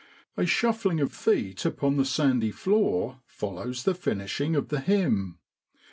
A shuffling of feet upon the sandy floor follows the finishing of the hymn.